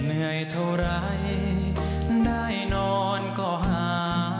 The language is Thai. แต่เรื่องความจนนอนกี่คืนมันก็ไม่หาย